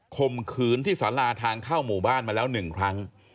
คมขืนที่สอนลาทางเข้าหมู่บ้านมาแล้วหนึ่งครั้ง